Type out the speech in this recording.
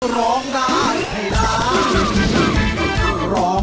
ร้องได้ให้ร้าน